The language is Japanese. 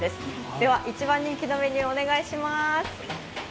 では、一番人気のメニューをお願いします。